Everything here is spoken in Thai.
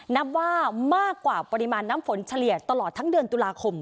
นับว่ามากกว่าปริมาณน้ำฝนเฉลี่ยตลอดทั้งเดือนตุลาคม